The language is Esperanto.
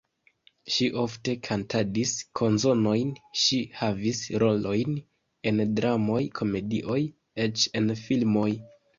Ŝi ofte kantadis kanzonojn, ŝi havis rolojn en dramoj, komedioj, eĉ en filmoj.